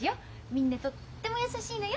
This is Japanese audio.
みんなとっても優しいのよ。